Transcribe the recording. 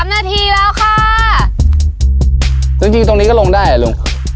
๑๓นาทีแล้วค่ะจริงตรงนี้ก็ลงได้เหรอลุง